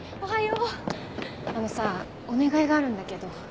あのさお願いがあるんだけど。